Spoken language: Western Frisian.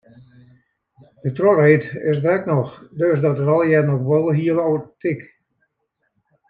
De trochreed is der ek noch, dus dat is allegear noch wol heel autentyk.